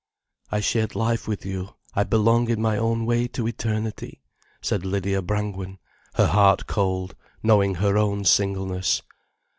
"I shared life with you, I belong in my own way to eternity," said Lydia Brangwen, her heart cold, knowing her own singleness.